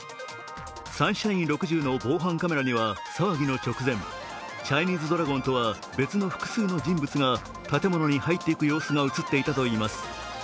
サンシャイン６０の防犯カメラには騒ぎの直前チャイニーズドラゴンとは別の複数の人物が建物に入っていく様子が映っていたといいます。